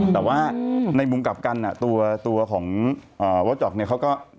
แต่ว่าในมุมกลับกันตัวของเวอร์จอกเนี่ยเขาก็